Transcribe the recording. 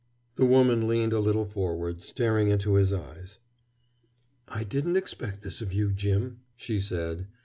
The woman leaned a little forward, staring into his eyes. "I didn't expect this of you, Jim," she said.